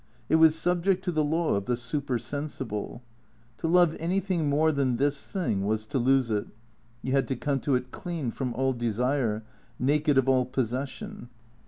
It was subject to the law of the supersensible. To love anything more than this thing was to lose it. You had to come to it clean from all desire, naked of all possession.